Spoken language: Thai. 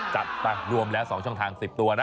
จัดไปรวมแล้ว๒ช่องทาง๑๐ตัวนะ